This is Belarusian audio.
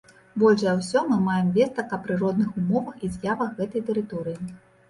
Больш за ўсё мы маем вестак аб прыродных умовах і з'явах гэтай тэрыторыі.